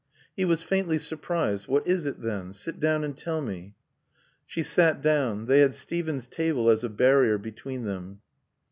He was faintly surprised. "What is it, then? Sit down and tell me." She sat down. They had Steven's table as a barrier between them.